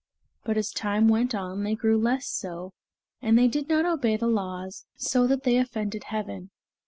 But as time went on they grew less so, and they did not obey the laws, so that they offended heaven.